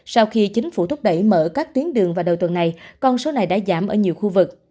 sau khi chính phủ thúc đẩy mở các tuyến đường vào đầu tuần này con số này đã giảm ở nhiều khu vực